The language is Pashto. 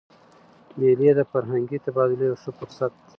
مېلې د فرهنګي تبادلې یو ښه فرصت يي.